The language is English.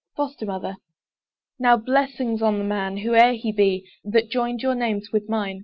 FOSTER MOTHER. Now blessings on the man, whoe'er he be, That joined your names with mine!